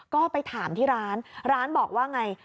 ก็ไปถามที่ร้านร้านบอกว่าไง